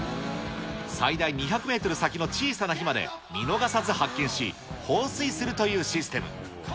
最大２００メートル先の小さな火まで見逃さず発見し、放水するというシステム。